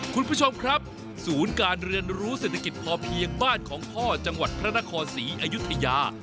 คุณผู้ชมครับศูนย์การเรียนรู้เศรษฐกิจพอเพียงบ้านของพ่อจังหวัดพระนครศรีอยุธยา